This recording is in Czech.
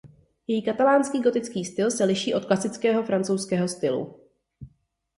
Její katalánský gotický styl se liší od klasického francouzského stylu.